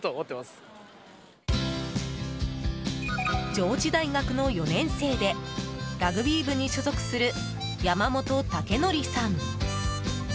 上智大学の４年生でラグビー部に所属する山本赳令さん。